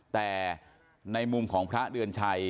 แต่ในมุมของพระเดือนชัย